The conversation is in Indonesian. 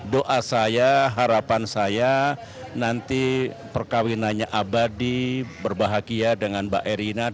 doa saya harapan saya nanti perkawinannya abadi berbahagia dengan mbak erina